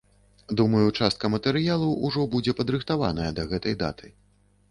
Думаю, частка матэрыялу ўжо будзе падрыхтаваная да гэтай даты.